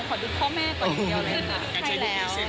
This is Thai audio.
ขอดูพ่อแม่ก่อนอย่างเดียวด้วยค่ะ